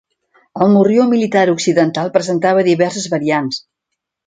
El morrió militar occidental presentava diverses variants.